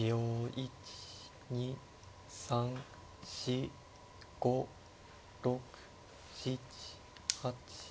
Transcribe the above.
１２３４５６７８。